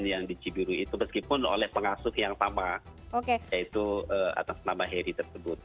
yang di cibiru itu meskipun oleh pengasuh yang sama yaitu atas nama heri tersebut